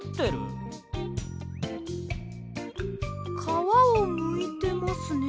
かわをむいてますね。